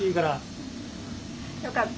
よかった。